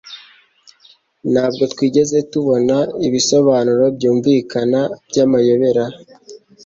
Ntabwo twigeze tubona ibisobanuro byumvikana byamayobera.